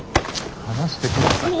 離してください！